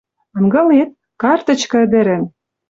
Ынгылет?.. Карточка ӹдӹрӹн!..